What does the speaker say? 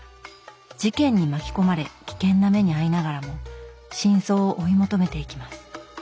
事件に巻き込まれ危険な目に遭いながらも真相を追い求めていきます。